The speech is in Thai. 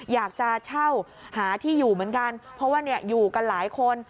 อยากจะเช่าหาที่อยู่เหมือนกันเพราะว่าอยู่กันหลายคน